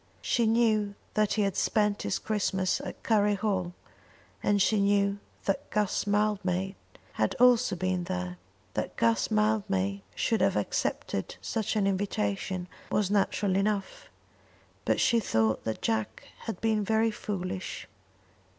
She knew that he had spent his Christmas at Curry Hall, and she knew that Guss Mildmay had also been there. That Guss Mildmay should have accepted such an invitation was natural enough, but she thought that Jack had been very foolish.